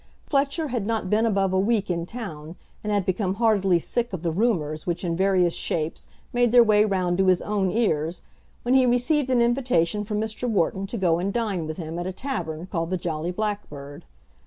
Fletcher had not been above a week in town, and had become heartily sick of the rumours which in various shapes made their way round to his own ears, when he received an invitation from Mr. Wharton to go and dine with him at a tavern called the Jolly Blackbird.